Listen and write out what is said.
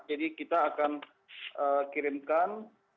jadi kita akan kirimkan